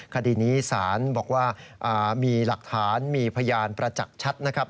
คดีนี้ศาลบอกว่ามีหลักฐานมีพยานประจักษ์ชัดนะครับ